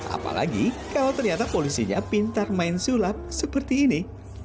apalagi kalau ternyata polisinya pintar main sulap seperti ini